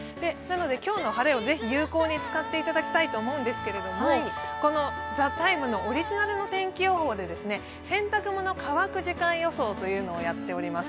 今日の晴れをぜひ有効に使っていただきたいと思うんですけれども、「ＴＨＥＴＩＭＥ，」のオリジナル天気予報で洗濯物乾く時間予想というのをやっております。